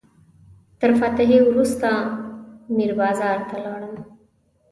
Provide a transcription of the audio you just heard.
تر فاتحې وروسته میر بازار ته لاړم.